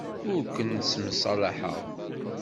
Ur ken-ssemṣalaḥeɣ.